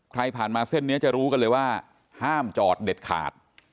ผ่านมาเส้นนี้จะรู้กันเลยว่าห้ามจอดเด็ดขาด